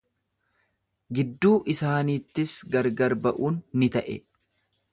Gidduu isaaniittis gargar ba'uun ni ta'e.